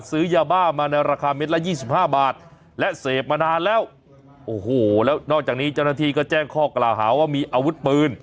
ซื้อยาบ้ามาในราคาเม็ดละยี่สิบห้าบาทและเสพมานานแล้วโอ้โหแล้วนอกจากนี้เจ้าหน้าที่ก็แจ้งข้อกล่าวหาว่ามีอาวุธปืน